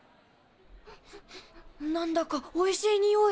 なんだかおいしいにおい。